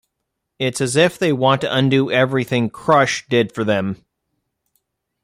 It's as if they want to undo everything "Crush" did for them".